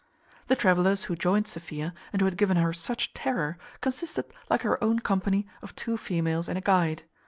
The travellers who joined Sophia, and who had given her such terror, consisted, like her own company, of two females and a guide.